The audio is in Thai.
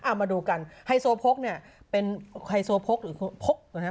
เอามาดูกันไฮโซโพกเนี่ยเป็นไฮโซโพกหรือพกนะฮะ